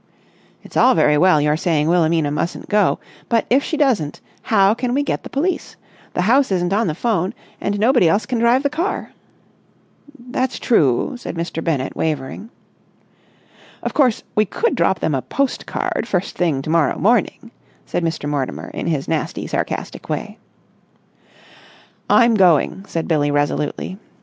"It's all very well your saying Wilhelmina mustn't go, but, if she doesn't, how can we get the police? The house isn't on the 'phone, and nobody else can drive the car." "That's true," said Mr. Bennett, wavering. "Of course, we could drop them a post card first thing to morrow morning," said Mr. Mortimer in his nasty sarcastic way. "I'm going," said Billie resolutely.